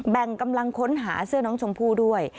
แบ่งกำลังค้นหาเสื้อน้องชมพู่ด้วย